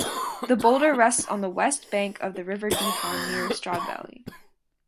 The boulder rests on the west bank of the River Deehan near Stradbally.